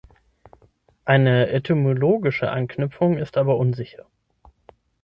Eine etymologische Anknüpfung ist aber unsicher.